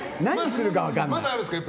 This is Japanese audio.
まだあるんですか？